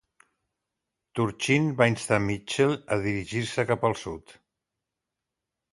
Turchin va instar Mitchel a dirigir-se cap al sud.